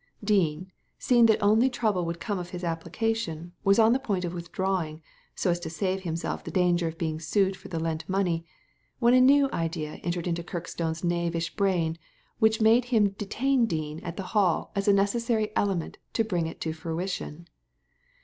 Dean, seeing that only trouble would come of his application, was on the point of withdrawing, so as to save himself the danger of being sued for the lent money, when a new idea entered into Kirkstone's knavish brain which made him detain Dean at the Hall as a necessary element to bring it to fruition.